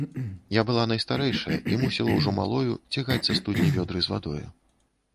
Я была найстарэйшая і мусіла ўжо малою цягаць са студні вёдры з вадою.